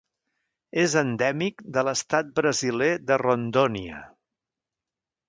És endèmic de l'estat brasiler de Rondônia.